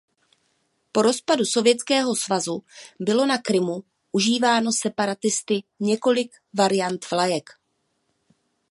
Po rozpadu Sovětského svazu bylo na Krymu užíváno separatisty několik variant vlajek.